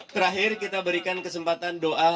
terakhir kita berikan kesempatan doa